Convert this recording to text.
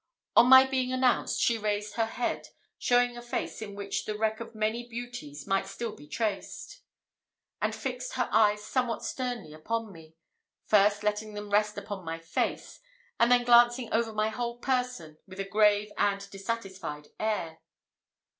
On my being announced, she raised her head, showing a face in which the wreck of many beauties might still be traced, and fixed her eyes somewhat sternly upon me; first letting them rest upon my face, and then glancing over my whole person with a grave and dissatisfied air.